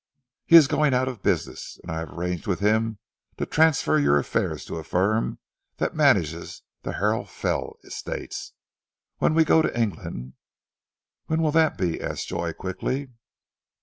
"He is going out of business, and I have arranged with him to transfer your affairs to a firm that manages the Harrow Fell estates. When we go to England " "When will that be?" asked Joy quickly.